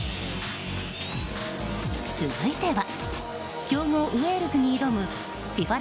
続いては、強豪ウェールズに挑むＦＩＦＡ